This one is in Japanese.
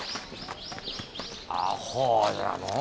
あほうじゃのう。